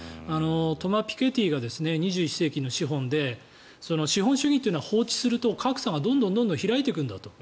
トマ・ピケティが「２１世紀の資本」で資本主義というのは放置すると格差がどんどん開いていくんだと。